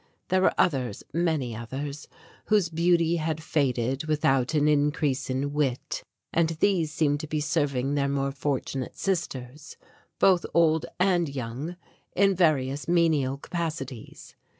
There were others, many others, whose beauty had faded without an increase in wit, and these seemed to be serving their more fortunate sisters, both old and young, in various menial capacities.